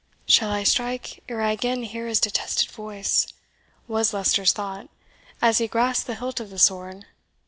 "Shall I strike ere I again hear his detested voice?" was Leicester's thought, as he grasped the hilt of the sword.